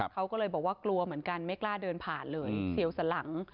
เขาก็เลยบอกว่ากลัวเหมือนกันไม่กล้าเดินผ่านเลยเฉียวสันหลัง